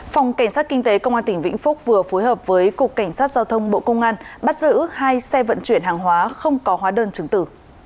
phòng cảnh sát kinh tế công an tỉnh vĩnh phúc vừa phối hợp với cục cảnh sát giao thông bộ công an bắt giữ hai xe vận chuyển hàng hóa không có hóa đơn chứng tử